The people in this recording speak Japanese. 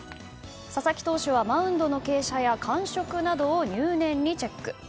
佐々木投手はマウンドの傾斜や感触などを入念にチェック。